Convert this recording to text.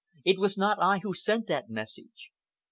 It was not I who sent that message."